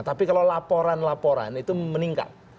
tapi kalau laporan laporan itu meningkat